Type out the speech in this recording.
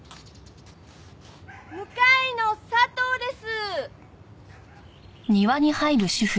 向かいの佐藤です！